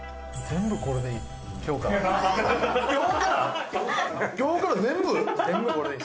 全部これでいい。